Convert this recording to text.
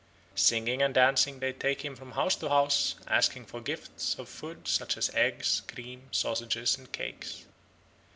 Singing and dancing they take him from house to house, asking for gifts of food such as eggs, cream, sausages, and cakes.